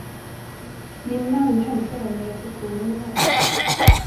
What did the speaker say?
Min man hämtar dem i receptionen i morgon.